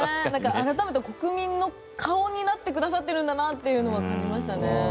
改めて国民の顔になってくださってるんだなとは感じましたね。